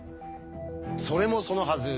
それもそのはず